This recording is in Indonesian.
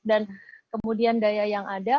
dan kemudian daya yang ada